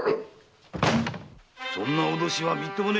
そんな脅しはみっともねぇぜ。